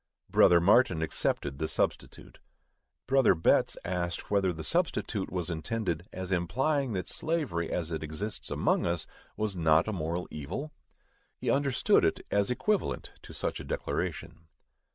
Brother Martin accepted the substitute. Brother Betts asked whether the substitute was intended as implying that slavery, as it exists among us, was not a moral evil? _He understood it as equivalent to such a declaration.